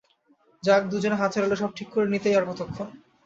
যাক, দুজনে হাত চালালে সব ঠিক করে নিতেই আর কতক্ষণ।